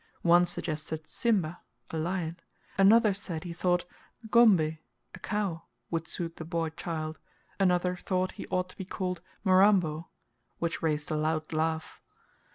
One suggested "Simba" (a lion), another said he thought "Ngombe" (a cow) would suit the boy child, another thought he ought to be called "Mirambo," which raised a loud laugh.